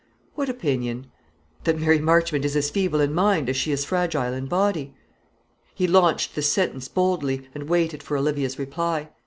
"What opinion?" "That Mary Marchmont is as feeble in mind as she is fragile in body." He launched this sentence boldly, and waited for Olivia's reply.